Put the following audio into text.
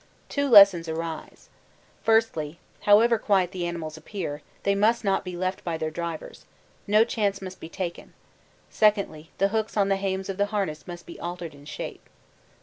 Two lessons arise. Firstly, however quiet the animals appear, they must not be left by their drivers; no chance must be taken; secondly, the hooks on the hames of the harness must be altered in shape.